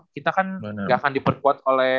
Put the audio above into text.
kita kan nggak akan diperkuat oleh